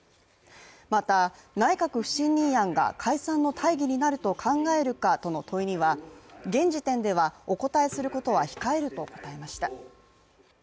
また内閣不信任案が解散の大義になると考えるかとの問いには、現時点ではお答えすることは控えると答えました。